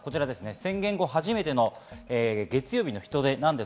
宣言後、初めての月曜日の人出です。